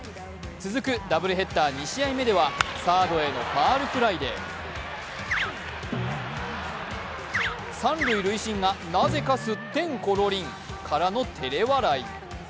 続くダブルヘッダー２試合目ではサードへのファウルフライで三塁塁審がなぜかすってんころりん。からのてれ笑い。